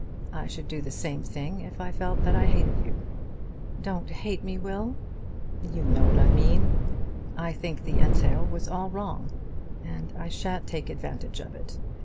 I should do the same thing if I felt that I hated you." "Don't hate me, Will!" "You know what I mean. I think the entail was all wrong, and I shan't take advantage of it.